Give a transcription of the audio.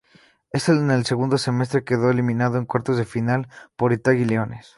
En el segundo semestre quedó eliminado en cuartos de final por Itagüí Leones.